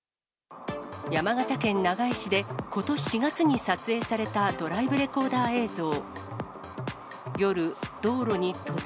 山形県長井市で、ことし４月に撮影されたドライブレコーダー映像。